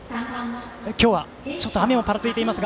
今日はちょっと雨もぱらついていますが。